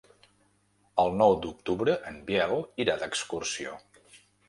El nou d'octubre en Biel irà d'excursió.